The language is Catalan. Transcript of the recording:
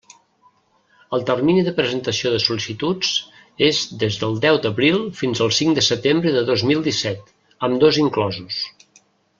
El termini de presentació de sol·licituds és des del deu d'abril fins al cinc de setembre de dos mil disset, ambdós inclosos.